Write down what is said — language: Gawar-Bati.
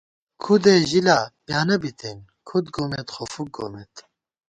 کھُدے ژِلا پیانہ بِتېن، کھُد گومېت خو فُک گومېت